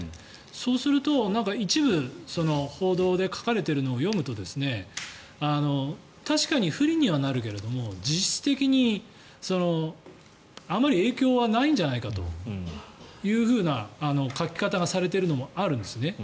そうすると、一部報道で書かれているのを読むと確かに不利にはなるけども実質的にあまり影響はないんじゃないかという書き方がされているのもあるんですね。